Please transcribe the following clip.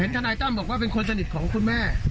ทนายตั้มบอกว่าเป็นคนสนิทของคุณแม่